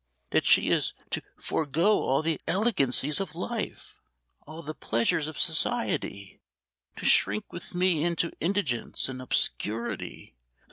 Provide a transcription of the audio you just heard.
that she is to forego all the elegancies of life all the pleasures of society to shrink with me into indigence and obscurity!